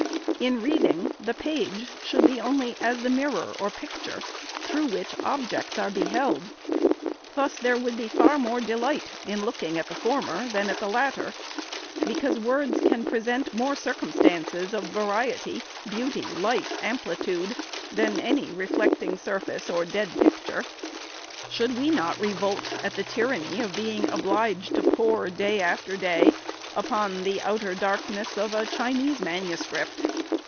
In reading, the page should be only as the mirror, or picture, through which objects are beheld. Thus there would be far more delight in looking at the former, than at the latter ; because SECOND ANNUAL REPORT. 525 words can present more circumstances of variety, beauty, life, amplitude, than any reflecting surface or dead pic ture. Should we not revolt at the tyranny of being obliged to pore, day after day, upon the outer darkness of a Chinese manuscript